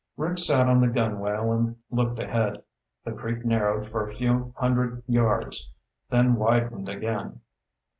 Rick sat on the gunwale and looked ahead. The creek narrowed for a few hundred yards, then widened again.